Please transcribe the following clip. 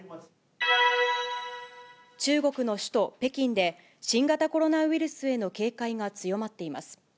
中国の首都北京で、新型コロナウイルスへの警戒が強まっています。